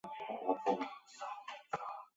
它们的攻击性也比其他同类生物强得多。